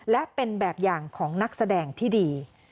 และเป็นแบบอย่างของนักแสดงที่ดี